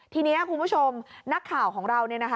ทีนี้คุณผู้ชมนักข่าวของเรา